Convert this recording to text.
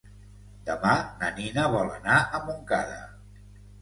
Demà na Nina vol anar a Montcada.